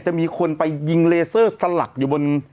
มีคนไปยิงเลเซอร์สลักอยู่บน